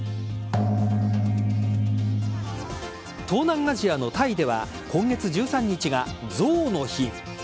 東南アジアのタイでは今月１３日が象の日。